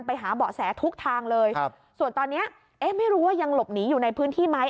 ไปหาเบาะแสทุกทางเลยครับส่วนตอนนี้เอ๊ะไม่รู้ว่ายังหลบหนีอยู่ในพื้นที่ไหม